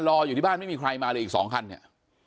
รออยู่ที่บ้านไม่มีใครมาเลยอีก๒คันเนี่ย